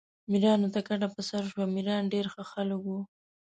میرانو ته کډه په سر شو، میران ډېر ښه خلک وو.